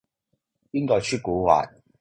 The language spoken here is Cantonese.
邊個出蠱惑